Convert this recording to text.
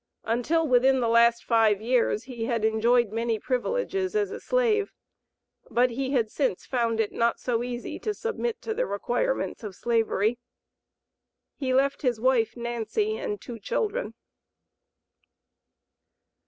Until within the last five years he had enjoyed many privileges as a slave, but he had since found it not so easy to submit to the requirements of Slavery. He left his wife, Nancy, and two children.